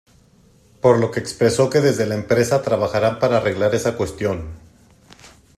Por lo que expresó que desde la empresa trabajarán para arreglar esa cuestión.